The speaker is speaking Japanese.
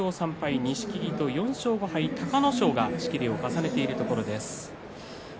錦木と４勝５敗隆の勝が仕切りを重ねています。